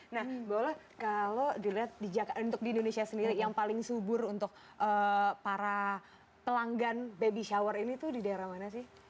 nah mbak ula kalau dilihat untuk di indonesia sendiri yang paling subur untuk para pelanggan baby shower ini tuh di daerah mana sih